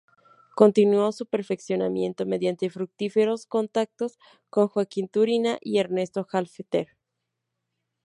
Continuó su perfeccionamiento mediante fructíferos contactos con Joaquín Turina y Ernesto Halffter.